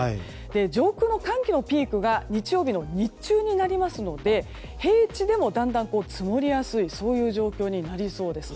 上空の寒気のピークが日曜日の日中になりますので平地でも、だんだん積もりやすい状況になりそうです。